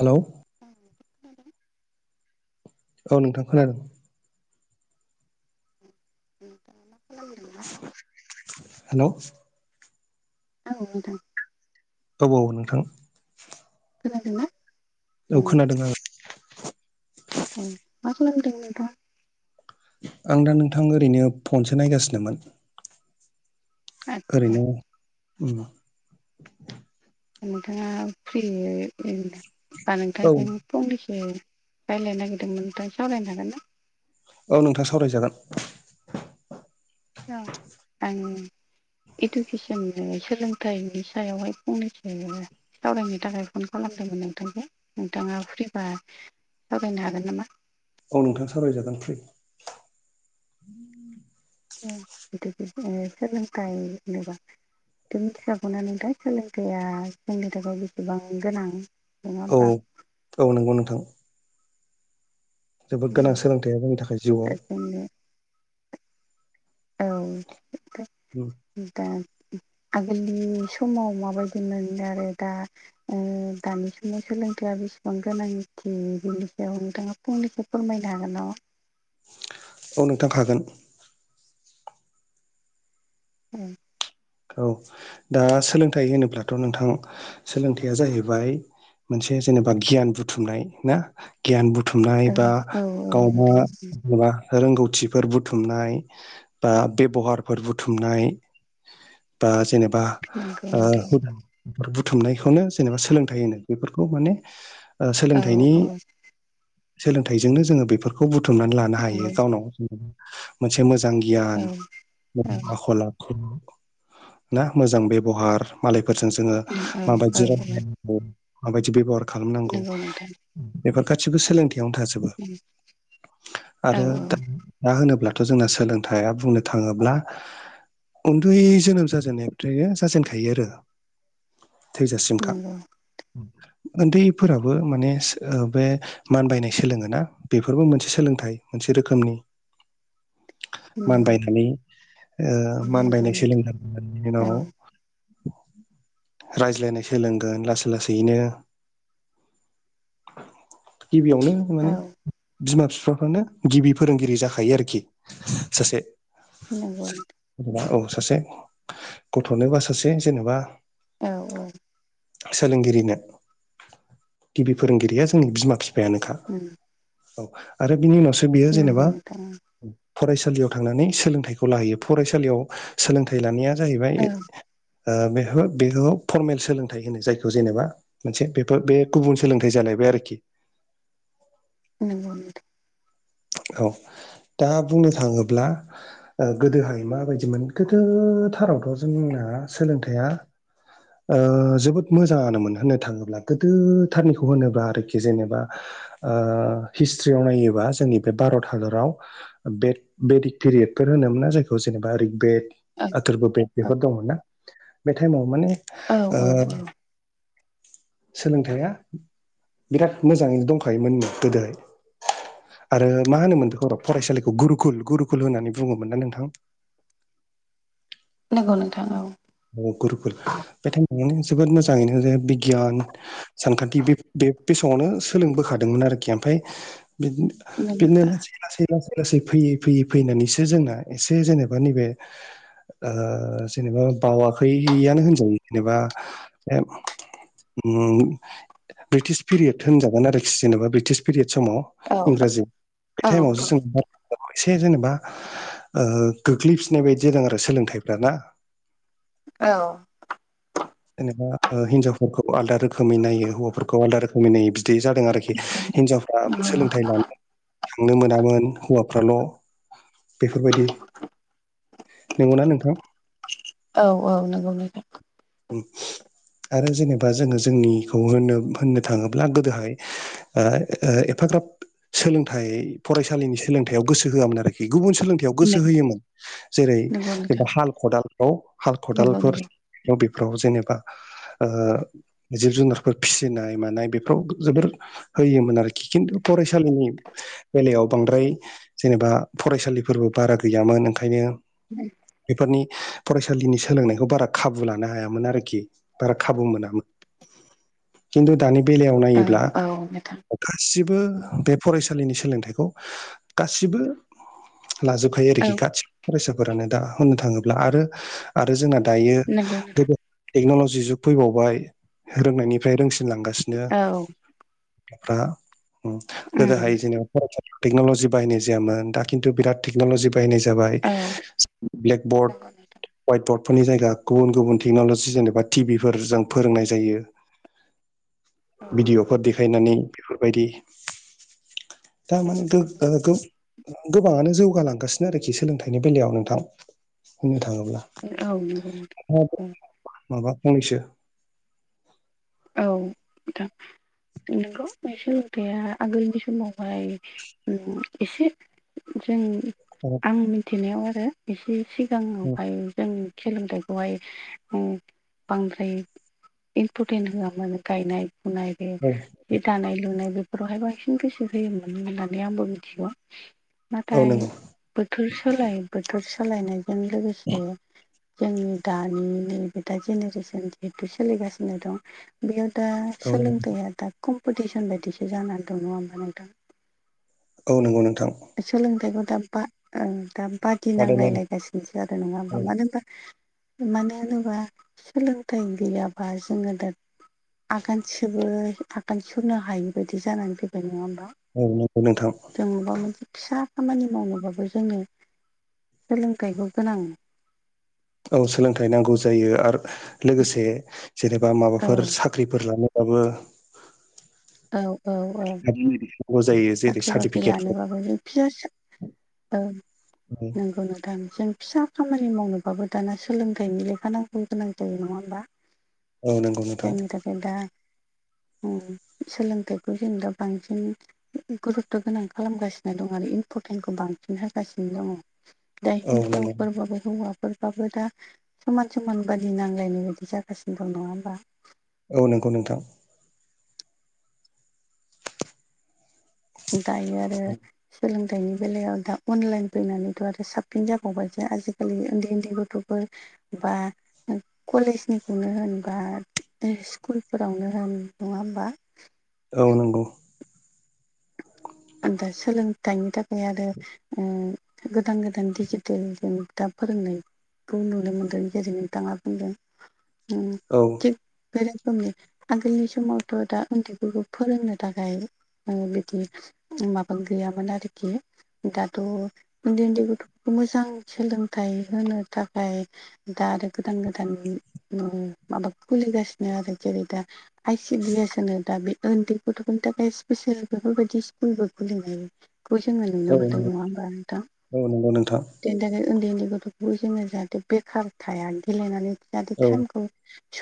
Hello. औ। खोनादों औ नोंथां खोनादों। बेथा [unintelligible] हेलौ। औ नोंथां। औ औ नोंथां। खोनादों ना? औ खोनादों आं। औ मा खालामदों नोंथां? आं दा नोंथां ओरैनो फनसो नायगासिनोमोन। आदसा ओरैनो। नोंथाङा फ्रि बा औ नोंथांजों फंनैसो रायजलायनो नागिरदोंमोन ओमफ्राय सावरायनो हागोन ना? औ नोंथां सावरायजागोन। औ आं [unintelligible] इडुकेसन सोलोंथाइनि सायावहाय फंनैसो सावरायनो थाखाय फन खालामदोंन नोंथांखौ नोंथाङा फ्रिबा सावरायनो हागोन नामा? औ नोंथां सावरायजागोन फ्रि। [unintelligible] सोलोंथाइ होनोबा बे मिथिखागौनो नोंथां सोलोंथाइआ सोंनि थाखाय बेसेबां गोनां नङा औ होमबा? औ नंगौ नोंथां। जोबोद गोनां सोलोंथाइ जोंनि थाखाय जिउआव जोंनो औ [unintelligible] बि [inaudible] दा आगोलनि समाव माबायदि मोनो आरो दा दानि समाव सोलोंथाइया बेसेबां गोनांथि बिनि सायाव नोंथाङा फुंनैसो फोरमायनो हागोन नामा? औ नोंथां हागोन। [unintelligible] औ दा सोलोंथाइ होनोब्लाथ' नोंथां सोलोंथाइया जाहैबाय मोनसे जेनेबा गियान बुथुमनाय ना? गियान बुथुमनाय औ बा औ गावबा नोंथां एबा रोंगौथिफोर बुथुमनाय बा बेब'हारफोर बुथुमनाय बा जेनेबा नंगौ ओ नोंथां बुथुमनायखौनो जेनेबा सोलोंथाइ होनो बेफोरखौ माने औ सोलोंथाइनि औ सोलोंथाइजोंनो जोङो बेफोरखौ बुथुमनानै लानो नंगौ औ हायो गावनाव मोनसे मोजां गियान औ आखल आखु ना मोजां बेब'हार मालायफोरजों जोङो माबायदि रायलायनांगौ माबायदि बेब'हार खालामनांगौ नंगौ नोंथां बेफोर गासिबो सोलोंथाययावनो थाजा आरो औ औ दा दा होनोब्लाथ' जोंना सोलोंथाइया बुंनो थाङोब्ला ब्रै जोनोम जाजेननायफ्रायनो जाजेनखायो आरो नंगौ थैजासिमखा। उन्दैफोराबो माने बे मानबायनाय सोलोङोना बेफोरबो मोनसे सोलोंथाइ मोनसे रोखोमनि [inaudible] मानबायनानै नंगौ मानबायनाय नोंथां सोलोंनायनि उनाव रायज्लायनाय सोलोंगोन लासै लासैयैनो गिबियावनो औ माने औ बिमा बिफाफ्रानो गिबि फोरोंगिरि जाखायो आरोखि सासे नांगौ जेनेबा औ सासे गथ'नोबा सासे जेनेबा औ औ सोलोंगिरिनो गिबि फोरोंगिरिया जोंनि बिमा बिफायानोखा। उम औ आरो बिनि उनावसो बेयो नंगौ जेनेबा नोंथां फरायसालियाव थांनानै सोलोंथाइखौ लाहैयो फरायसालियाव सोलोंथाइ लानाया जाहैबाय ओं ओ बे बेखौ फरमेल सोलोंथाइ होनो जायखौ जेनेबा मोनसे बेफोर बे गुबुन सोलोंथाइ जालायबाय आरोखि। नोंगौ नोंथां। औ दा बुंनो थाङोब्ला ओ गोदोहाय माबायदिमोन गोदोथारावथ' जोंना सोलोंथाया जोबोद मोजाङानोमोन होननो थाङोब्ला गोदोथारनिखौ होनोब्ला आरोखि जेनेबा ओ हिस्ट्रियाव नायोबा जोंनि बे भारत हादराव बे बेडिक पेरिदफोर होनोम मोना जायखौ जेनेबा रिग बेद औ आखोरबो बेग बेफोर दङ ना बे टाइमाव माने औ ओ औ औ सोलोंथाइया बिराद मोजाङैनो दंखायोमोन गोदोहाय। आरो मा होनोमोनदों र' फरायसालिखौ गुरुखुल गुरुकुल होननानै बुङोमोन ना नोंथां। नंगौ नोंथां औ गुरुकुल बेथाइनानै जोबोद मोजाङैनो ज बिगियान सानखान्थि बे बे बे समावनो सोलोंबोखादोंमोन आरोखि ओमफफ्राय बिदि [unintelligible] बिदिनो लासै लासै लासै लासै फैयै फैयै फैनानैसो जोंना एसे जेनेबा नैबे ओ जेनेबा बावाखैयानो होनजायो जेनेबा ब्रिटिश पिरियद होनजागोन आरोखि जेनेबा ब्रिटिश पिरियद समाव औ इंराजि बे औ टाइमावसो जों एसे जेनेबा गोग्लैफिननाय बायदि जादों आरो सोलोंथाइफोरा ना औ जेनेबाह ओ हिनजाफोरखौ आलदा रोखोमै नायो हौवाफोरखौ आलदा रोखोमै नायो बिदि जादों आरोखि। आरोखि हिनजावफ्राबो सोलोंथाइ लानो थांनो मोनामोन हौवाफ्राल' बेफोरबायदि नंगौना नोंथां? औ औ नंगौ नगौ आरो जेनेबा जोङो जोंनिखौ होन होननो थाङोब्ला गोदोहाय ओ ओ एफाग्राब सोलोंथाइ फरायसालिनि सोलोंथायाव गोसो होआमोन आरोखि गुबुन सोलोंथाइ याव गोसो होयोमोन जेरै नंगौ नोंथां जबा हाल खदालफ्राव हाल नंगौ खदालफोर नंगौ बेफोराव जेनेबा ओ जिब जुनारफोर फिसिनाय मानाय बेफोराव जोबोर होयोमोन आरोखि खिन्थु फरायसालिनि बेलायाव बांद्राय जेनेबा फरायसालिफोरबो बारा गैयामोन ओंखायनो [unintelligible] बेफोरनि फरायसालिनि सोलोंनायखौ बारा खाबु खाबु लानो हायामोन आरोखि बारा खाबु मोनामोन। खिन्थु दानि बेलायाव औ नायोब्ला औ नोंथां गासिबो बे फरायसालिनि सोलोंथाइखौ गासिबो लाजोब खायो औ आरोखि गसिबो फरायसाफोरानो दा होननो थाङोब्ला आरो आरो जोंना दायो नंगौ नोंथां। गोदो टेक्न'लजि जुग फैबावबाय रोंनायनिफ्राय रोंसिनलांगासिनो औ फ्रा उम गोदोहाय जेनेबा टेकनलजि बाहायनाय जायामोन दा खिनथु बिराद टेकनलि बाहायनाय जाबाय औ ब्लेक बर्ड नंगौ नोंथां हवाइट बर्डफोरनि जायगा गुबुन गुबुन टेक्न'लजि जेनेबा टिभिफोर जों फोरोंनाय जायो औ औ भिडिअ'फोर देखायनानै बेफोरबायदि [unintelligible] गो नंगौ गो गोबाङानो जौगालांगासिनो आरोखि सोलोंथाइनि बेलायाव नोंथां होननो थाङोब्ला औ नोंथां माबा फंनैसो औ नोंथां नंगौ बे सोलोंथाइया आगोलनि समावहाय एसे जों [inaudible] आं मिथिनायाव आरो एसे सिगाङावहाय जों सोलोंथाइखौहाय बांद्राय इम थेन होआ मानो गायनाय फुनाय बे औ बे दानाय लुनाय बे बेावहाय बांसिन गोसो होयोमोन होननानै आंबो मिथिगौ औ नाथाय नंगौ बोथोर सोलाय बोथोर सोलायनायजों लोगोसे जोंनि दानि नैबे दा जेनेरेसन जिहेथु सोलिगासिनो दं बेयाव दा औ नंगौ सोलोंथाइया दा कम्पिटिसन बायदिसो जानानै दङ नङा होमबा नोंथां औ नंगौ नोंथां सोलोंथाइखौ दा बा दा बाद बादायलायनाय गिनांलायलायगासिनोसो आरो नङा औ होमबा मानो होनबा मानो होनोबा सोलोंथाइ गैयाबा जोङो दा आगान सेबो आगान सुरनो हायि बायदि जानानै फैबाय नङा होमबा औ नंगौ नोंथां जों अबावबा मोनसे फिसा खामानि मावोबाबो जोङो सोलोंथाइखौ गोनां औ सोलोंथाइ नांगौ जायो आरो लोगोसे जेनेबा औ माबाफोर साखा ख्रिफोर लानोबाबो औ औ औ जायो जेरै साख्रि बाख्रि सार्टिफिकेटफोर लानोबाबो जों [unintelligible] औ नंगौ नोंथां जों फिसा खामानि मावनोबाबो दाना सोलोंथाइनि लेखा नांगौ गोनां जायो नङा होमबा औ नंगौ नोंथां जायनि दा सोलोंथाइखौ जों दा बांसिन गुरुत' गोनां खालामगासिनो दं आरो इम्परटेन्खौ बांसिन होगासिनो दङ दा औ नंगौ हिनजावफोरबाबो हौवाफोर बाबो दा समान समान बादि नांजलायनाय बायदि जागासिनो दं नङा होमबा औ नंगौ नोंथां दायो आरो सोलों थाइनि बेलायाव दा अनलाइन फैनानैथ' आरो साबसिन जाबावबाय जे आजिखालि उन्दै उन्दै गथ'फोर बा कलेजनिखौनो होनबा स्कुलफोरावनो होन नङा होमबा औ नंगौ आं दा सोलोंथाइनि थाखाय आरो ओ गोदान गोदान दिडिजिटेल जों दा फोरोंनाय नुनो मोन्दों गेरै नोंथाङा बुंदों औ बे रोखोमनि आगोलनि समावथ' दा उन्दैफोरखौ फोरोंनो थाखाय ओ बिदि माबा गैयामोन आरोखि दाथ' उन्दै उन्दै गथ'फोरखौ मोजां सोलोंथाइ होनो थाखाय दा आरो गोदान गोदान ओ माबा खुलिगासिनो आरो जेरै दा आइ सिडि एस होनो दा बे उन्दै गथ'फोरनि थाखाय स्पिसियेल बेफोरबायदि स्कुलबो खुलिनाय खौ जोङो नुनो औ मोनदों नङा होमबा नोंथां औ नंगौ नोंथां बेनि थाखाय उन्दै उन्दै गथ'खौबो जोङो जाहाथे बेखार थाया गेलेनानै जाहाथे औ टाइमखौ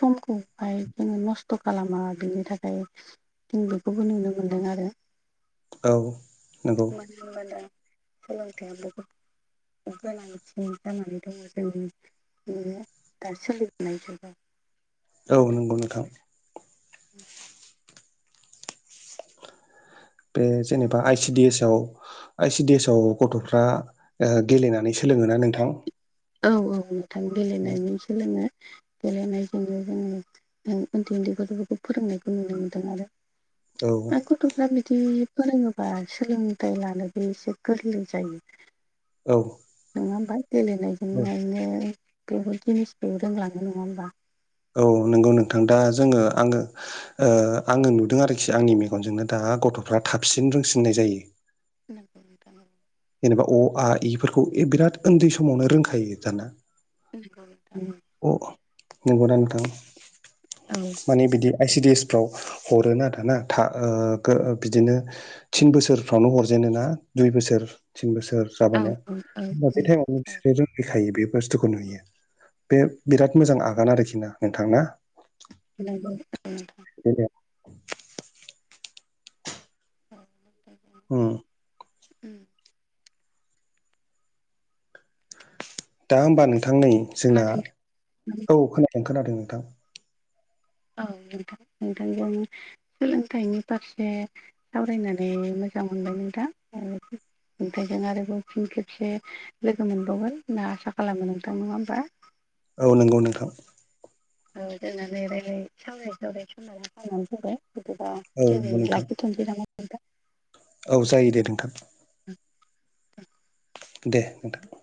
समखौहाय बिदिनो नस्थ' खालामा बिनि थाखाय [unintelligible] बेखौबो नुनो मोनदों आरो औ नंगौ नुनो मोन्दों सोलोंथाया बहुत गोनांथि जानानै दङ' जोंनि बिनो दा सोलिबोनाय जाबाय औ नंगौ नोंथां उ बे जेनेबा आइ सि डि एस आव आइ सि डे एसाव गथ'फ्रा गेलेनानै सोलोङोना नोंथां औ औ नोंथां औ गेलेनायजों सोलोङो गेलेनायजोंनो जोङो उन्दै उन्दैफोरखौ फोरोंनायखौ नुनो मोनदों आरो बै औ गथ' फ्रा बिदि फोरोङोबा सोलोंथाइ लानोबो एसे गोरलै जायो औ नङा होमबा गेलेनायजों नायनो बेफोर जिनिस बे रोंलाङो नङा होमबा औ नंगौ नोंथां दा जोङो आङो आङो नुदों आरोखि आंनि मेगनजोंनो दा गथ'फ्रा थाबसिन रोंसिननाय जायो नंगौ नोंथां जेनेबा अ आ इ फोरखौ बिराद उन्दै समावनो रोंखायो दाना नंगौ नोंथां ओम अ नंगौ ना नोंथां औ माने बिदि आइ सि डि एस फ्राव हरो आरोना बिदिनो थिन बोसोरफ्रावनो हरजेनो ना दुइ बोसोर थिन बोसोर औ जाबानो औ औ होमबा बे टाइमाव [unintelligible] खायो बे बुस्थुखौ नुयो बे बिराद मोजां आगान आरोखि ना नोंथां ना नंगौ नोंथां [unintelligible] [unintelligible] उम ओम दा होमबा नोंथां नै जोंना खोनादों औ खोनादों खोनादों नोंथां औ नोंथां नोंथांजों सोलोंथाइनि फारसे सावरायनानै मोजां मोनबाय नों नोंथां नोंथांजों आरोबाव फिन खेबसे लोगो मोनबावगोन होनना आसा खालामो नोंथां नङा होमबा। औ नोंगौ नोंथां औ जोंना नै रायलाय सावरायै सावरायै समाबो जानानै फैबाय बिदिबा औ दिनै नंगौ नोंथां लाखिथ'- सै नामा नोंथां औ जायो दे नोंथां। दे नोंथां